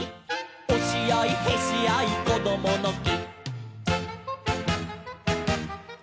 「おしあいへしあいこどものき」